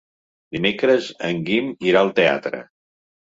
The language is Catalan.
Dimecres en Guim irà al teatre.